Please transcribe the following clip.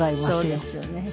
そうですよね。